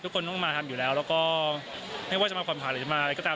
ทุกคนต้องมาทำอยู่แล้วแล้วก็ไม่ว่าจะมาผ่อนผันหรือจะมาอะไรก็ตาม